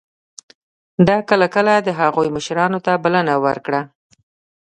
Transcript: ده کله کله د هغوی مشرانو ته بلنه ورکړه.